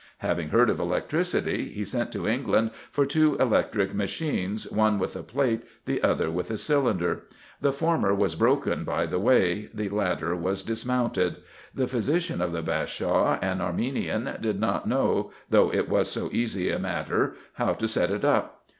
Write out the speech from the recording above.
Having heard of electricity, he sent to England for two electric machines, one with a plate, the other with a cylinder. The former was broken by the way; the latter was dismounted. The physician of the Bashaw, an Arminian, did not know, though it was so easy a matter, how to set it up.